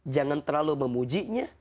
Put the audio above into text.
jangan terlalu memujinya